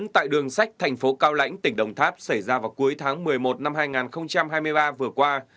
tại đường sách thành phố cao lãnh tỉnh đồng tháp xảy ra vào cuối tháng một mươi một năm hai nghìn hai mươi ba vừa qua